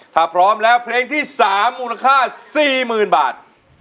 ถ้าพร้อมแล้วเพลงที่สามมูลค่าสี่หมื่นบาท